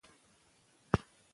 زه هڅه کوم هره ورځ سنکس وخورم.